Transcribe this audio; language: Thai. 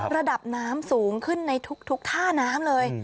ระดับน้ำสูงขึ้นในทุกท่าน้ำเลย